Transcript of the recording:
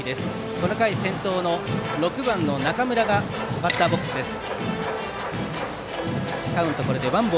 この回、先頭の６番の中村がバッターボックスです。